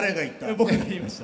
僕が言いました。